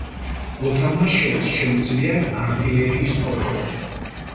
მოთამაშეებს შეუძლიათ არტილერიის კონტროლი.